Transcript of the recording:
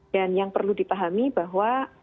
yang perlu dipahami bahwa